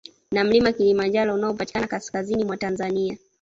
Na mlima Kilimanjaro unaopatikana kaskazini mwa Tanzania